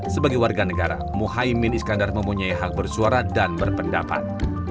sebagai warga negara muhaymin iskandar mempunyai hak bersuara dan berpendapat